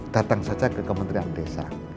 datang saja ke kementerian desa